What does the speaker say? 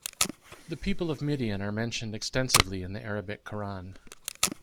The people of Midian are mentioned extensively in the Arabic Qur'an.